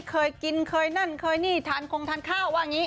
เคยกินเคยนั่นเคยนี่ทานคงทานข้าวว่าอย่างนี้